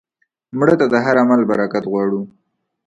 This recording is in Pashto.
مړه ته د هر عمل برکت غواړو